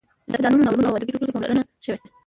په داستانونو، ناولونو او ادبي ټوټو کې پاملرنه شوې.